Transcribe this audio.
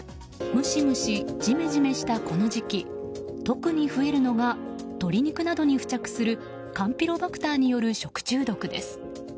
ムシムシ、ジメジメしたこの時期特に増えるのが鶏肉などに付着するカンピロバクターによる食中毒です。